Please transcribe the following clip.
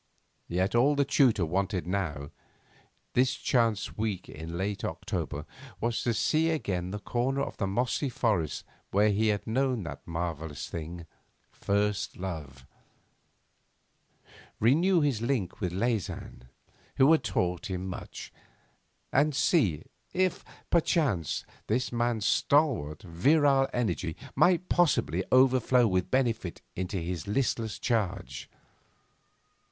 Yet all the tutor wanted now, this chance week in late October, was to see again the corner of the mossy forest where he had known that marvellous thing, first love; renew his link with Leysin who had taught him much; and see if, perchance, this man's stalwart, virile energy might possibly overflow with benefit into his listless charge.